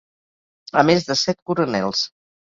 A més de set coronels.